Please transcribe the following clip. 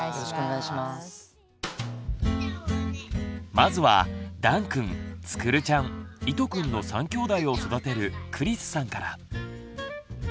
まずはだんくんつくるちゃんいとくんの３きょうだいを育てる栗栖さんから。